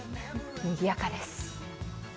にぎやかです。